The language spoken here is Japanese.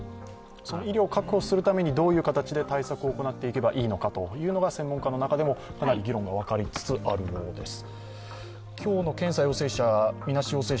医療確保するためにどういう形で対策を行っていけばいいのかというのが専門家の中でもかなり議論が分かれつつあるようです。